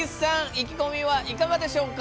意気込みはいかがでしょうか？